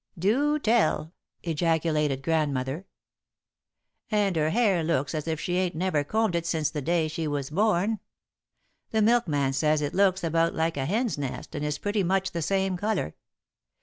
"Do tell!" ejaculated Grandmother. "And her hair looks as if she ain't never combed it since the day she was born. The milkman says it looks about like a hen's nest and is pretty much the same colour.